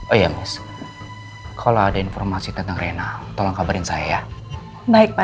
oh ya miss kalau ada informasi tentang rina tolong kabarin saya ya baik pak